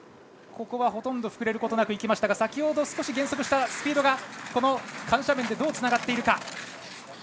ほとんど膨れることなく行きましたが先ほど減速したスピードが、緩斜面でどうつながっているか。